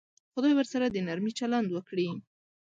خدای ورسره د نرمي چلند وکړي.